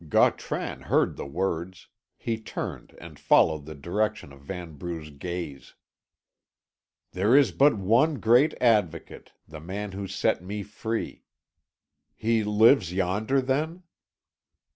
Gautran heard the words; he turned, and followed the direction of Vanbrugh's gaze. "There is but one great Advocate, the man who set me free. He lives yonder, then?"